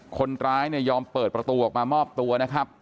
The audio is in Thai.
คนร้ายเนี่ยยอมเปิดประตูออกมามอบตัวนะครับ